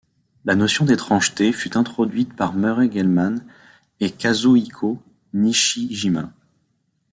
La notion d'étrangeté fut introduite par Murray Gell-Mann et Kazuhiko Nishijima.